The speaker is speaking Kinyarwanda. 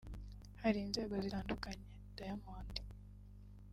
Hari inzego zitandukanye; Diamond